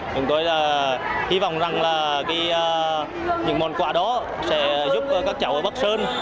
chúng tôi hy vọng rằng là những món quà đó sẽ giúp các cháu ở bắc sơn